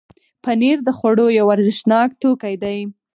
پنېر د خوړو یو ارزښتناک توکی دی.